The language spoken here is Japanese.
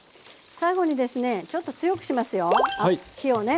最後にですねちょっと強くしますよ火をね。